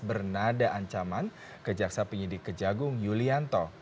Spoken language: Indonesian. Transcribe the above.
bernada ancaman ke jaksa penyidik kejagung yulianto